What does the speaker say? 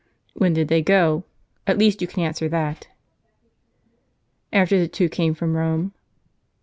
"When did they go? at least you can answer that." " After the two come from Rome."